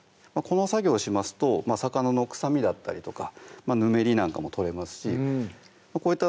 この作業をしますと魚の臭みだったりとかぬめりなんかも取れますしうん